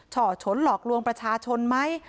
ฉ่อฉนหลอกลวงประชาชนไหม